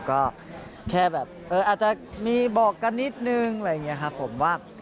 ก็แค่แบบเอออาจจะมีบอกกันนิดนึงอะไรอย่างนี้ครับผมว่า